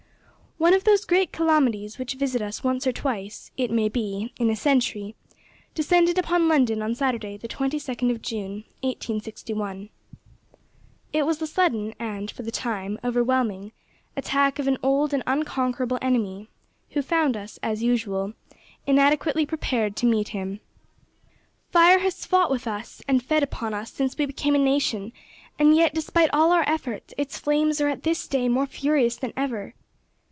One of those great calamities which visit us once or twice, it may be, in a century, descended upon London on Saturday, the 22nd of June, 1861. It was the sudden, and for the time, overwhelming, attack of an old and unconquerable enemy, who found us, as usual, inadequately prepared to meet him. Fire has fought with us and fed upon us since we became a nation, and yet, despite all our efforts, its flames are at this day more furious than ever.